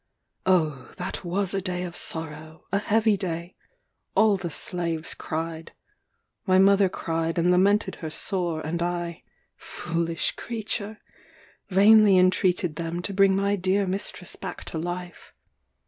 Oh, that was a day of sorrow, a heavy day! All the slaves cried. My mother cried and lamented her sore; and I (foolish creature!) vainly entreated them to bring my dear mistress back to life.